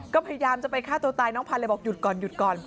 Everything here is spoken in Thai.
ก็พยายามจะไปฆ่าตัวตายน้องพาร์นเลยบอกหยุดก่อน